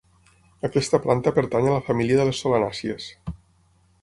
Aquesta planta pertany a la família de les solanàcies.